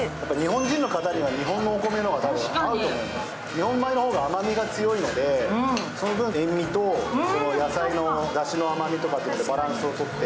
日本米の方が甘みが強いのでその分、塩みと野菜のだしの甘みとかがバランスをとって。